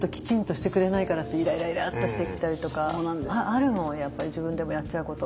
あるもんやっぱり自分でもやっちゃうこと。